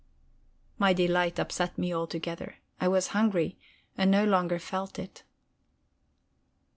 My delight upset me altogether; I was hungry, and no longer felt it.